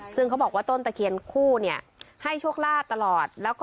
ซึ่งเขาบอกว่าต้นตะเคียนคู่เนี่ยให้โชคลาภตลอด